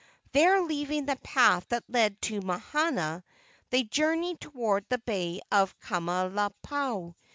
There leaving the path that led to Mahana, they journeyed toward the bay of Kaumalapau.